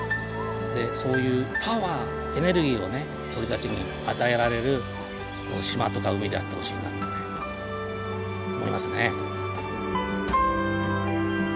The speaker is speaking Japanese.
そういうパワーエネルギーをね鳥たちに与えられる島とか海であってほしいなって思いますね。